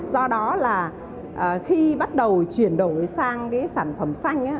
do đó là khi bắt đầu chuyển đổi sang cái sản phẩm xanh